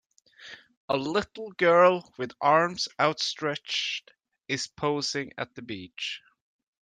A little girl with arms outstretched is posing at the beach.